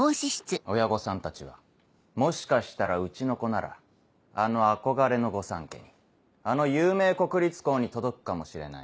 親御さんたちは「もしかしたらうちの子ならあの憧れの御三家にあの有名国立校に届くかもしれない」